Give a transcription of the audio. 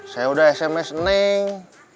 saya sudah sms neneng